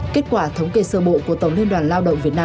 kể cả xe ưu tiên